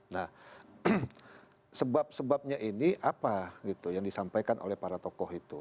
nah sebab sebabnya ini apa gitu yang disampaikan oleh para tokoh itu